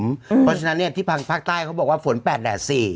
เพราะฉะนั้นเนี่ยที่ภางภาคต้ายเขาบอกว่าฝนแปดแดดสี่